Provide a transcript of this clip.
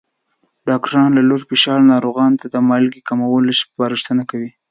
ډاکټران له لوړ فشار ناروغانو ته د مالګې کمولو سپارښتنه کوي.